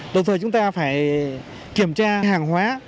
đồng thời chúng ta phải kiểm tra hàng hóa